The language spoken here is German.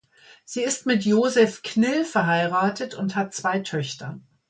Sie ist mit Josef Knill verheiratet und hat zwei Töchter.